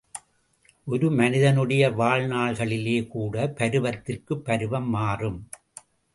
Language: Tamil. ஒரு மனிதனுடைய வாழ்நாள்களிலே கூட பருவத்திற்குப் பருவம் மாறும்.